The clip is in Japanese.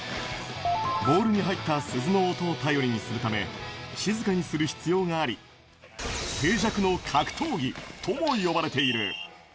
ボールに入った鈴の音を頼りにするため、静かにする必要があり、静寂の格闘技とも呼ばれている。